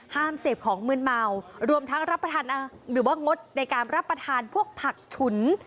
เสพของมืนเมารวมทั้งรับประทานหรือว่างดในการรับประทานพวกผักฉุน